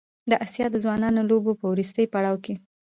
د اسیا د ځوانانو د لوبو په وروستي پړاو کې